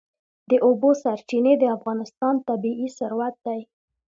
د اوبو سرچینې د افغانستان طبعي ثروت دی.